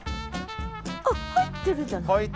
あっ入ってるじゃない。